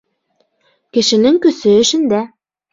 Кешенең көсө эшендә.